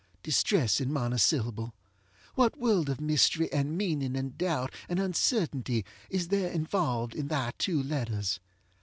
Distressing monosyllable! what world of mystery, and meaning, and doubt, and uncertainty is there involved in thy two letters!